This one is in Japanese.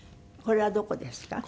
これはどこですか？